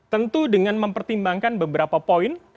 tentu dengan mempertimbangkan beberapa poin